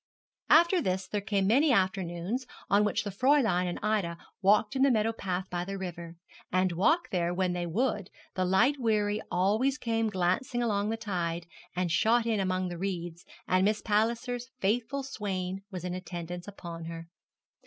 After this there came many afternoons on which the Fräulein and Ida walked in the meadow path by the river, and walk there when they would, the light wherry always came glancing along the tide, and shot in among the reeds, and Miss Palliser's faithful swain was in attendance upon her.